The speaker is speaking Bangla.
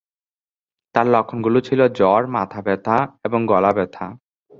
তার লক্ষণগুলো ছিল জ্বর, মাথা ব্যাথা এবং গলা ব্যাথা।